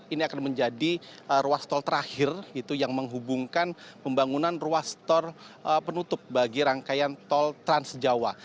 ini akan menjadi ruas tol terakhir yang menghubungkan pembangunan ruas tol penutup bagi rangkaian tol transjawa